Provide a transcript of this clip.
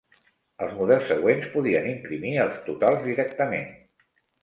Els models següents podien imprimir els totals directament.